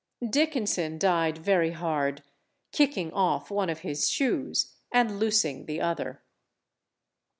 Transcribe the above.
Dickenson died very hard, kicking off one of his shoes, and loosing the other.